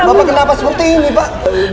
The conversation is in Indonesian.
memang kenapa seperti ini pak